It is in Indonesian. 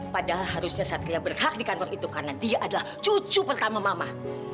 padahal harusnya satria berhak di kantor itu karena dia adalah cucu pertama mama